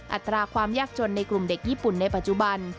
อัตราความยากจนในกลุ่มเด็กญี่ปุ่นในปัจจุบัน